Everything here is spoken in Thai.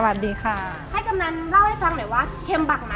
สวัสดีค่ะกำลังตอบนะคะ